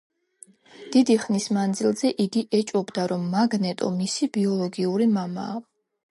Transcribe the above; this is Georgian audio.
დიდი ხნის მანძილზე იგი ეჭვობდა, რომ მაგნეტო მისი ბიოლოგიური მამაა.